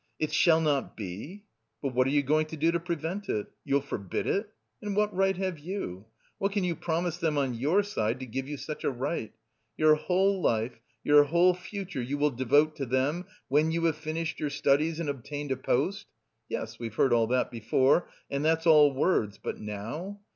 "It shall not be? But what are you going to do to prevent it? You'll forbid it? And what right have you? What can you promise them on your side to give you such a right? Your whole life, your whole future, you will devote to them when you have finished your studies and obtained a post? Yes, we have heard all that before, and that's all words, but now?